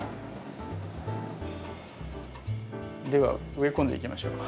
では植え込んでいきましょう。